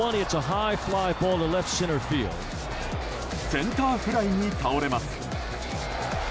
センターフライに倒れます。